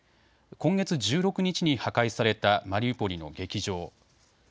今月１６日に破壊されたマリウポリの劇場。